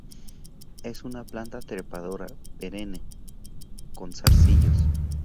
Es una planta trepadora perenne con zarcillos.